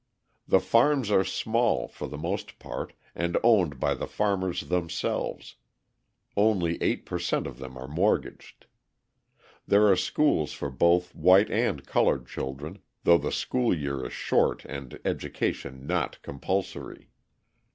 The farms are small, for the most part, and owned by the farmers themselves; only 8 per cent. of them are mortgaged. There are schools for both white and coloured children, though the school year is short and education not compulsory.